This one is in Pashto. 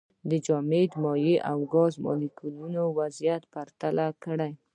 د جامد، مایع او ګاز مالیکولونو وضعیت پرتله کړئ.